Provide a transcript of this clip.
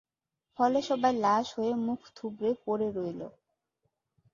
ফলে সবাই লাশ হয়ে মুখ থুবড়ে পড়ে রইল।